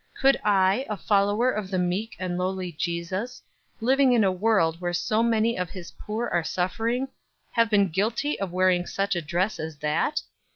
Could I, a follower of the meek and lowly Jesus, living in a world where so many of his poor are suffering, have been guilty of wearing such a dress as that?